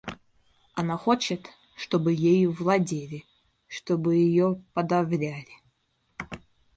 Она хочет, чтобы ею владели, чтобы ее подавляли.